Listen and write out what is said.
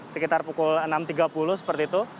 sekitar pukul enam tiga puluh seperti itu